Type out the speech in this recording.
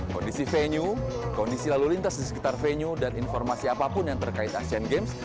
kondisi venue kondisi lalu lintas di sekitar venue dan informasi apapun yang terkait asean games